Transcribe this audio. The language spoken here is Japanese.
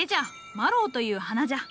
マロウという花じゃ。